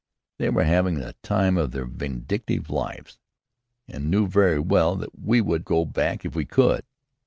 They were having the time of their vindictive lives, and knew very well that we would go back if we could.